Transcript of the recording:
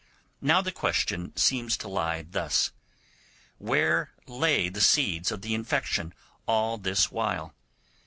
Now the question seems to lie thus: Where lay the seeds of the infection all this while?